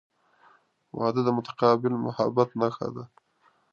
• واده د متقابل محبت نښه ده.